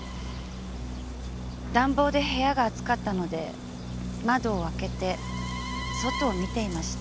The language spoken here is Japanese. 暖房で部屋が暑かったので窓を開けて外を見ていました。